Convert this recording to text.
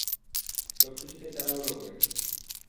সবকিছুতেই তাড়াহুড়ো করে।